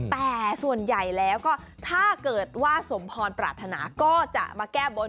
แต่ส่วนใหญ่แล้วก็ถ้าเกิดว่าสมพรปรารถนาก็จะมาแก้บน